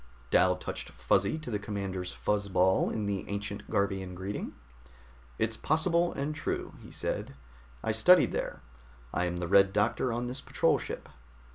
Dal touched Fuzzy to the commander's fuzz ball in the ancient Garvian greeting. "It's possible, and true," he said. "I studied there. I am the Red Doctor on this patrol ship."